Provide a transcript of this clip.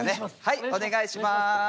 はいお願いします。